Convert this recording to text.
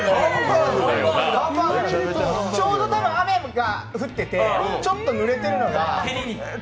ちょうど雨が降ってて、ちょっと濡れてるのが。